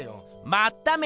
まっため！